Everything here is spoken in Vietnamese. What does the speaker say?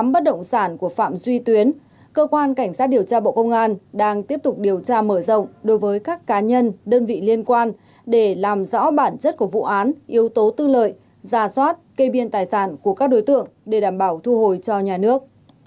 bắt động sản của phạm duy tuyến cơ quan cảnh sát điều tra bộ công an đang tiếp tục điều tra mở rộng đối với các cá nhân đơn vị liên quan để làm rõ bản chất của vụ án yếu tố tư lợi ra soát kê biên tài sản của các đối tượng để đảm bảo thu hồi cho nhà nước